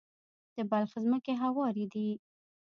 د بلخ ځمکې هوارې دي